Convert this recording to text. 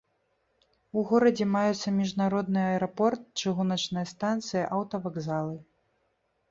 У горадзе маюцца міжнародны аэрапорт, чыгуначная станцыя, аўтавакзалы.